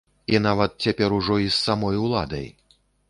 І нават, цяпер ужо і з самой уладай.